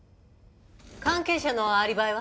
関係者のアリバイは？